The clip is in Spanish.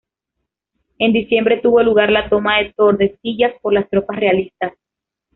En diciembre tuvo lugar la toma de Tordesillas por las tropas realistas.